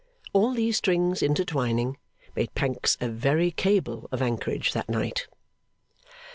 All these strings intertwining made Pancks a very cable of anchorage that night.